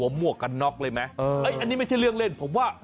สวมมวกกันนอกเลยดิแบบอะไรอย่างนี้ไม่ใช่เรื่องเล่นผมว่า